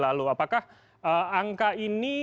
apakah angka ini